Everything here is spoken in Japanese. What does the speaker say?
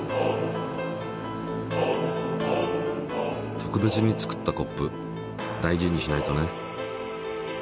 特別に作ったコップ大事にしないとね。